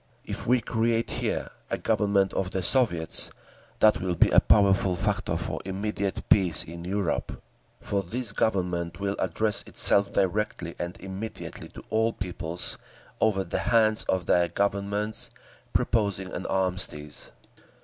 If we create here a Government of the Soviets, that will be a powerful factor for immediate peace in Europe; for this Government will address itself directly and immediately to all peoples, over the heads of their Governments, proposing an armistice.